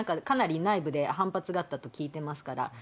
かなり内部で反発があったと聞いていますから。